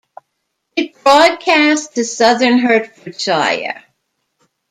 It broadcasts to southern Hertfordshire.